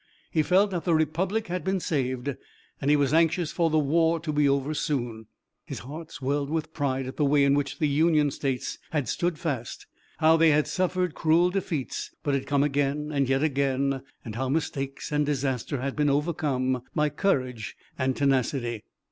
He felt that the republic had been saved and he was anxious for the war to be over soon. His heart swelled with pride at the way in which the Union states had stood fast, how they had suffered cruel defeats, but had come again, and yet again, how mistakes and disaster had been overcome by courage and tenacity.